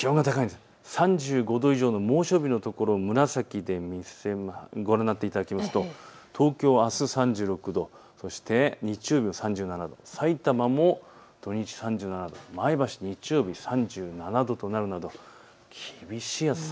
３５度以上の猛暑日のところ、紫でご覧になっていただきますと東京あす３６度、日曜日３７度、さいたまも土日３７度、前橋日曜日３７度となるので厳しい暑さ。